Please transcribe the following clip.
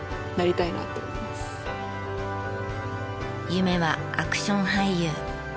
夢はアクション俳優。